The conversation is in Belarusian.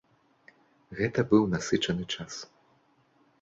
Гэта быў насычаны час.